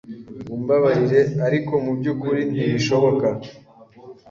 Mumbabarire, ariko mubyukuri ntibishoboka.